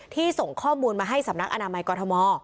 ส่งข้อมูลมาให้สำนักอนามัยกรทม